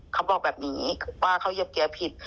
เขาบอกแบบนี้ว่าเขาเหยียบเกียร์ผิด